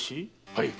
はい。